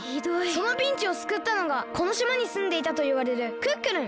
そのピンチをすくったのがこのしまにすんでいたといわれるクックルン。